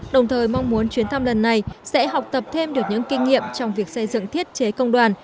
đồng thời mong muốn chuyến thăm lần này sẽ học tập thêm được những kinh nghiệm trong việc xây dựng thiết chế công đoàn